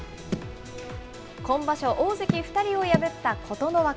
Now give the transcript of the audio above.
今場所、大関２人を破った琴ノ若。